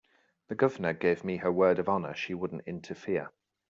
The Governor gave me her word of honor she wouldn't interfere.